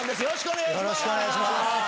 よろしくお願いします。